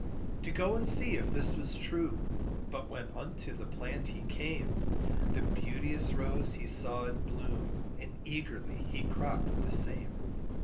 To go and see if this was true, But when unto the plant he came, The beauteous rose he saw in bloom, And eagerly he cropp'd the same.